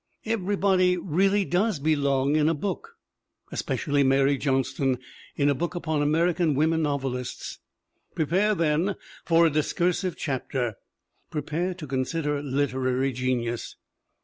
Everybody really does belong in a book, especially Mary John ston in a book upon American women novelists! Pre pare, then, for a discursive chapter. Prepare to con sider literary genius.